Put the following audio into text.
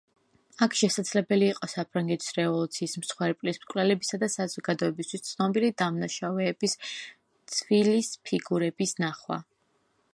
აქ შესაძლებელი იყო საფრანგეთის რევოლუციის მსხვერპლის, მკვლელებისა და საზოგადოებისთვის ცნობილი დამნაშავეების ცვილის ფიგურების ნახვა.